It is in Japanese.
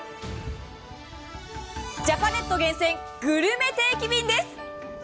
ジャパネット厳選、グルメ定期便です。